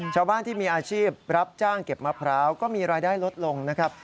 ชาวบ้านที่มีอาชีพรับจ้างเก็บมะพร้าวก็มีรายได้ลดลงนะครับ